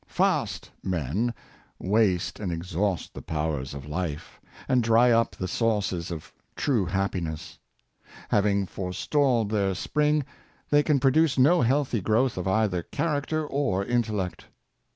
" Fast " men waste and exhaust the powers of life, and drv up the sources of true happinesss. Having forestalled their spring, they can produce no healthy growth of either character or intellect.